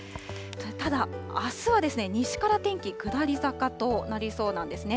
ただ、あすは西から天気、下り坂となりそうなんですね。